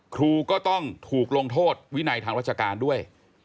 ครูก็ต้องถูกลงโทษวินัยทางราชการด้วย